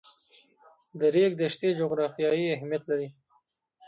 د ریګ دښتې جغرافیایي اهمیت لري.